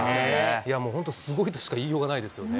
いや、もう本当、すごいとしか言いようがないですよね。